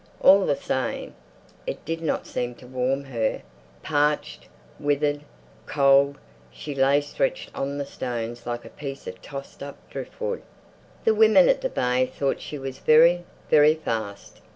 All the same, it did not seem to warm her. Parched, withered, cold, she lay stretched on the stones like a piece of tossed up driftwood. The women at the Bay thought she was very, very fast.